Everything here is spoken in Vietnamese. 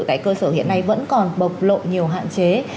tại cơ sở hiện nay vẫn còn bộc lộ nhiều hạn chế